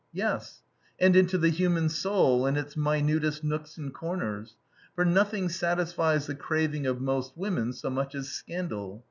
" Yes, and into the human soul and its minutest nooks and corners. For nothing satisfies the craving of most women so much as scandal.